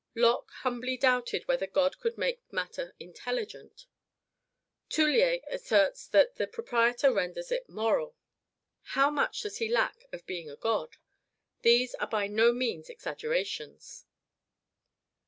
Locke humbly doubted whether God could make matter INTELLIGENT. Toullier asserts that the proprietor renders it MORAL. How much does he lack of being a God? These are by no means exaggerations.